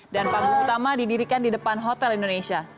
dan panggung utama didirikan di depan hotel indonesia